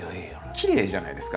きれいじゃないですか。